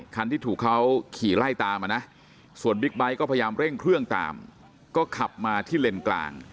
คันที่ถูกเขาขี่ไล่ตามมานะส่วนบิ๊กไบท์ก็พยายามเร่งเครื่องตามก็ขับมาที่เลนกลาง